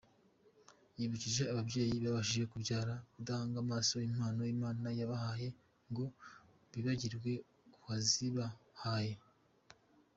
Yibukije ababyeyi babashije kubyara kudahanga amaso impano Imana yabahaye ngo bibagirwe uwazibahaye.